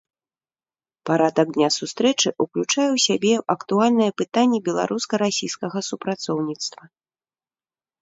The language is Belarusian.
Парадак дня сустрэчы ўключае ў сябе актуальныя пытанні беларуска-расійскага супрацоўніцтва.